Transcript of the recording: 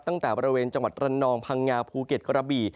ตั้งแต่บริเวณจังหวัดระนองพังงาภูเก็ตกระบี่